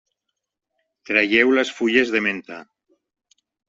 Traieu les fulles de menta.